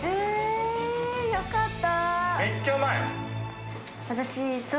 よかった。